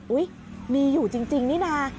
อุ๊ยมีอยู่จริงนี่นะ